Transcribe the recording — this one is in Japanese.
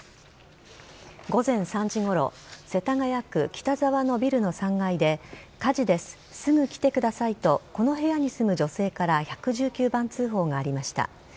午前３時ごろ、世田谷区北沢のビルの３階で、火事です、すぐ来てくださいと、この部屋に住む女性から１１９番通報がありました。